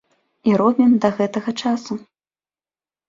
І робім да гэтага часу.